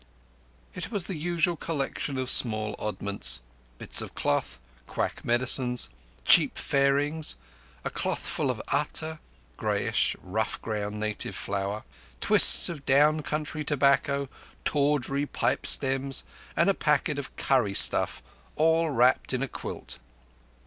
It was the usual collection of small oddments: bits of cloth, quack medicines, cheap fairings, a clothful of atta—greyish, rough ground native flour—twists of down country tobacco, tawdry pipe stems, and a packet of curry stuff, all wrapped in a quilt.